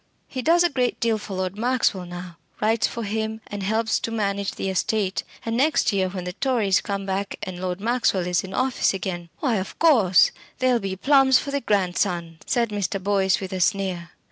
He does a great deal for Lord Maxwell now: writes for him, and helps to manage the estate; and next year, when the Tories come back and Lord Maxwell is in office again " "Why, of course, there'll be plums for the grandson," said Mr. Boyce with a sneer.